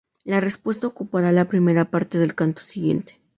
La respuesta ocupará la primera parte del canto siguiente.